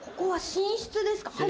寝室です